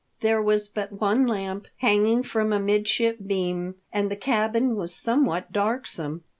There was but one lamp, hanging from a midship beam, and the cabin was somewhat darksome.